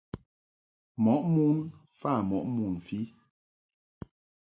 Mɔʼ mun mfa mɔʼ mun mfɨ.